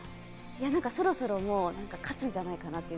そろそろ勝つんじゃないかなという。